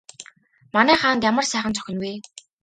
Манай хаанд ямар сайхан зохино вэ?